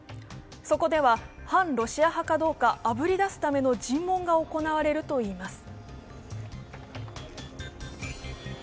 そこでは反ロシア派かどうかあぶり出すための尋問が行われるといいます。